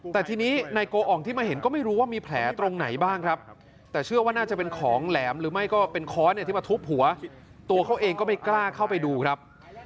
แต่ทีนี้นายโกอ่องที่มาเห็นก็ไม่รู้ว่ามีแผลตรงไหนบ้างครับแต่เชื่อว่าน่าจะเป็นของแหลมหรือไม่ก็เป็นค้อนเนี่ยที่มาทุบหัวตัวเขาเองก็ไม่กล้าเข้าไปดูครับ